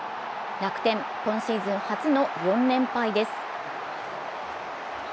楽天、今シーズン初の４連敗です。